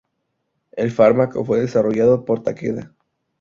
El fármaco fue desarrollado por Takeda.